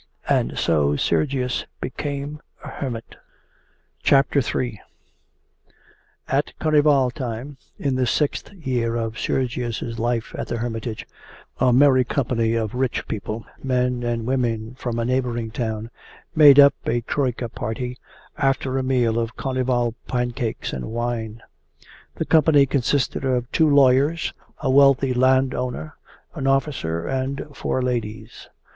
And so Sergius became a hermit. III At Carnival time, in the sixth year of Sergius's life at the hermitage, a merry company of rich people, men and women from a neighbouring town, made up a troyka party, after a meal of carnival pancakes and wine. The company consisted of two lawyers, a wealthy landowner, an officer, and four ladies.